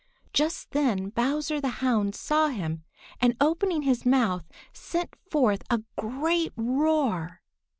Just then Bowser the Hound saw him and opening his mouth sent forth a great roar.